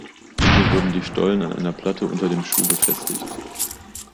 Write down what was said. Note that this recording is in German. Hier wurden die Stollen an einer Platte unter dem Schuh befestigt.